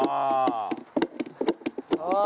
ああ！